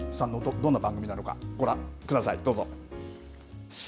どんな番組なのかご覧ください。